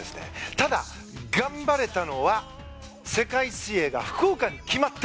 ただ、頑張れたのは世界水泳が福岡に決まった。